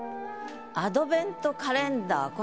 アドベントカレンダー